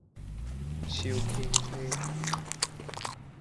小坑溪